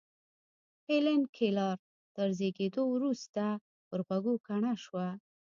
هېلېن کېلر تر زېږېدو وروسته پر غوږو کڼه شوه.